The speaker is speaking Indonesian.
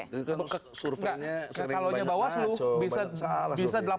kalau surveinya sekalian banyak